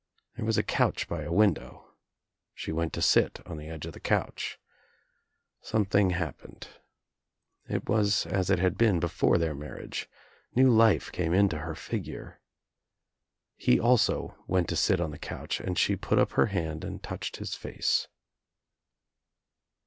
There was a couch by a window. She went to sit on the edge of the couch. Something happened. It was as it had been before their marriage. New life came into her figure. He also went to sit on the couch and she put up her hand and touched his face.